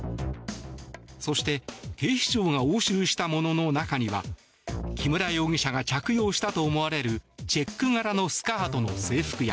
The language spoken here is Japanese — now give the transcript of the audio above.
そして警視庁が押収したものの中には木村容疑者が着用したと思われるチェック柄のスカートの制服や